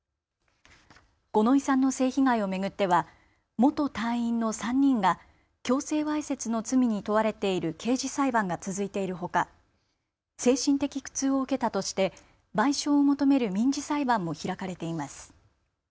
五ノ井さんの性被害を巡っては元隊員の３人が強制わいせつの罪に問われている刑事裁判が続いているほか、精神的苦痛を受けたとして賠償を求める民事裁判も開かれています。